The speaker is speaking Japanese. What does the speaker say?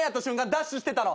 ダッシュしてたの。